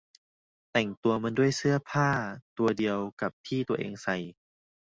แต่งตัวมันด้วยเสื้อผ้าตัวเดียวกับที่ตัวเองใส่